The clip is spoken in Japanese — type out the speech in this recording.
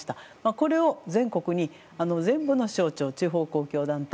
これを全国に全部の省庁地方公共団体